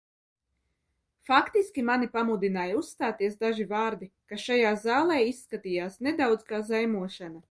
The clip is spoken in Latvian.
Faktiski mani pamudināja uzstāties daži vārdi, kas šajā zālē izskatījās nedaudz kā zaimošana.